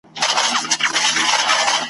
باید کړو سرمشق د کړنو په کتار کي د سیالانو `